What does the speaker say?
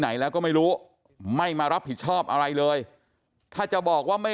ไหนแล้วก็ไม่รู้ไม่มารับผิดชอบอะไรเลยถ้าจะบอกว่าไม่